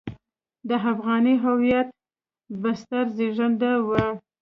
د افغاني هویت بستر زېږنده وو.